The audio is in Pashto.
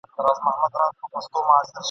دوی تماشې ته ورلره راسي !.